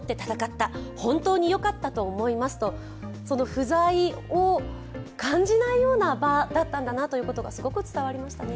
不在を感じないような場だったんだなということが、すごく伝わりましたね。